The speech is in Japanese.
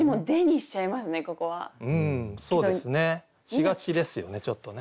しがちですよねちょっとね。